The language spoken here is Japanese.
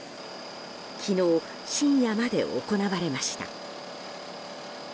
昨日深夜まで行われました。